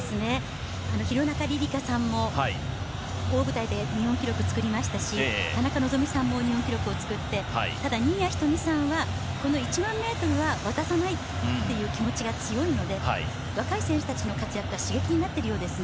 廣中璃梨佳さんも大舞台で日本記録作りましたし田中希実さんも日本記録を作ってただ、新谷仁美さんはこの１００００ｍは渡さないっていう気持ちが強いので若い選手たちの活躍が刺激になっているようですね。